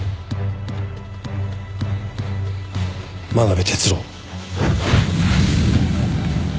真鍋哲郎。